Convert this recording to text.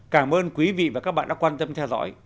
cảm ơn quý vị và các bạn đã quan tâm theo dõi